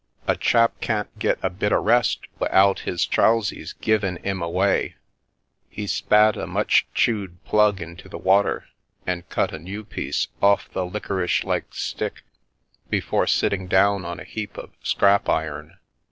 " A chap can't get a bit o' rest wi'out 'is trousies givin' 'im away !" He spat a much chewed plug into the water, and cut a new piece off the liquorice like stick before sitting down on a heap of scrap iron.